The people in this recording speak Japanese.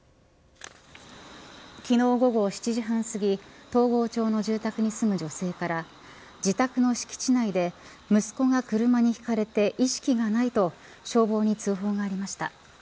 昨日、午後７時半すぎ東郷町の住宅に住む女性から自宅の敷地内で息子が車にひかれて意識がないと消防に通報がありました。